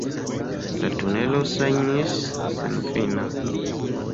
La tunelo ŝajnis senfina.